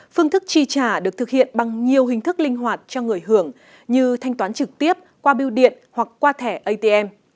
phương thức chi trả được thực hiện bằng nhiều hình thức linh hoạt cho người hưởng như thanh toán trực tiếp qua biêu điện hoặc qua thẻ atm